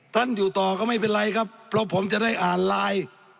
ท่านอยู่ต่อก็ไม่เป็นไรครับเพราะผมจะได้อ่านไลน์